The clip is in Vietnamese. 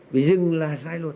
vì dừng là sai luật